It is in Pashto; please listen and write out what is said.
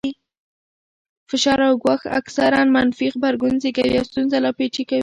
فشار او ګواښ اکثراً منفي غبرګون زېږوي او ستونزه لا پېچلې کوي.